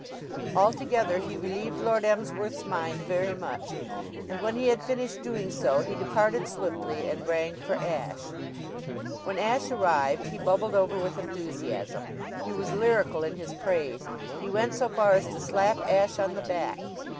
Altogether, he relieved Lord Emsworth's mind very much; and when he had finished doing so he departed swiftly and rang for Ashe. When Ashe arrived he bubbled over with enthusiasm. He was lyrical in his praise. He went so far as to slap Ashe on the back.